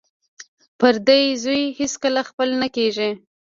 پردی زوی هېڅکله خپل نه کیږي